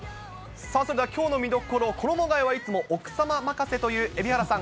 それではきょうの見どころ、衣がえはいつも奥様任せという蛯原さん。